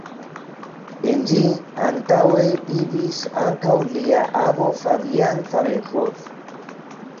En ĝi antaŭe vivis ankaŭ lia avo Fabian Zamenhof.